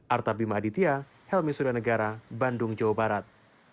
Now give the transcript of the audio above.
artabima aditya helmi suryanegara bandung jawa barat